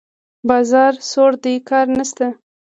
بازار سوړ دی؛ کار نشته.